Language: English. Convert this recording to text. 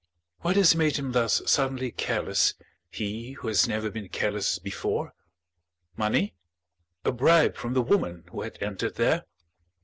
What has made him thus suddenly careless, he who has never been careless before? Money? A bribe from the woman who had entered there?